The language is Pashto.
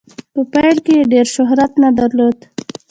په پیل کې یې ډیر شهرت نه درلود.